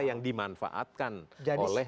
yang dimanfaatkan oleh